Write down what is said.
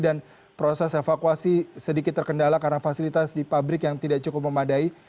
dan proses evakuasi sedikit terkendala karena fasilitas di pabrik yang tidak cukup memadai